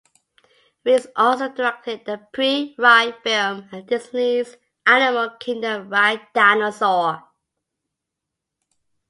Rees also directed the pre-ride film at Disney's Animal Kingdom ride Dinosaur.